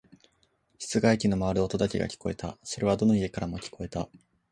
室外機の回る音だけが聞こえた。それはどの家からも聞こえた。